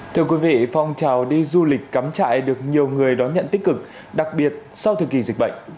thưa quý vị phong trào đi du lịch cắm trại được nhiều người đón nhận tích cực đặc biệt sau thời kỳ dịch bệnh